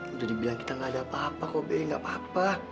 udah dibilang kita gak ada apa apa kok b nggak apa apa